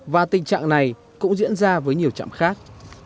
và tình trạng này cũng diễn ra với nhiều trạm khác